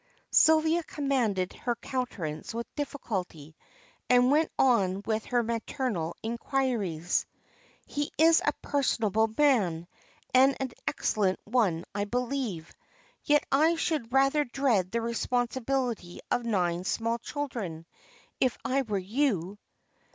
Sylvia commanded her countenance with difficulty, and went on with her maternal inquiries. "He is a personable man, and an excellent one, I believe, yet I should rather dread the responsibility of nine small children, if I were you."